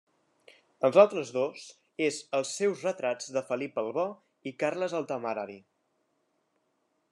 Els altres dos és els seus retrats de Felip el Bo i Carles el Temerari.